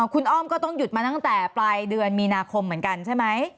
คุณอ้อมก็ต้องหยุดมาตั้งแต่ปลายเดือนมีนาคมเหมือนกันใช่ไหม